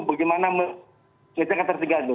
bagaimana mengecek keterselapan